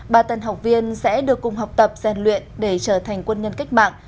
ba tân học viên sẽ được cùng học tập gian luyện để trở thành quân nhân cách mạng